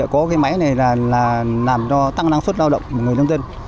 có cái máy này là làm cho tăng năng suất lao động của người nông dân